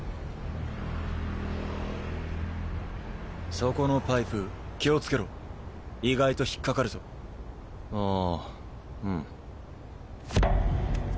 そこのパイプ気をつけろ意外と引っかかるぞああ